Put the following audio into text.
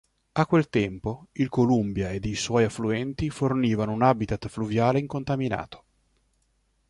A quel tempo, il Columbia ed i suoi affluenti fornivano un habitat fluviale incontaminato.